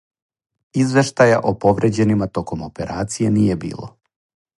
Извештаја о повређенима током операције није било.